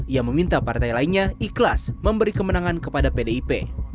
ia meminta partai lainnya ikhlas memberi kemenangan kepada pdip